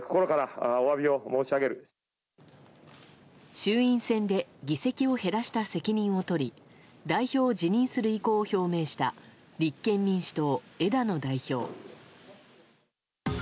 衆院選で議席を減らした責任を取り代表を辞任する意向を表明した立憲民主党、枝野代表。